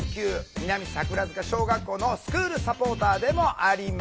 南桜塚小学校のスクールサポーターでもあります